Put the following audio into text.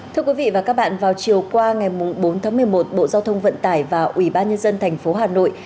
thưa quý vị và các bạn vào chiều qua ngày bốn tháng một mươi một bộ giao thông vận tải và ủy ban nhân dân tp hà nội